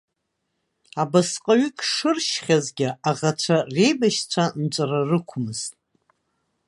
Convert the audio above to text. Абасҟаҩык шыршьхьазгьы, аӷацәа реибашьцәа нҵәара рықәмызт.